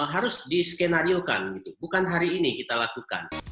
harus diskenariokan gitu bukan hari ini kita lakukan